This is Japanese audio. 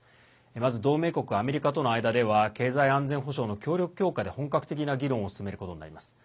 まず、同盟国アメリカとの間では経済安全保障の協力強化で本格的な議論を進めることになります。